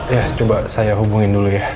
ya coba saya hubungin dulu ya